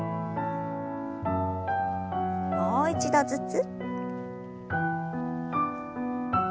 もう一度ずつ。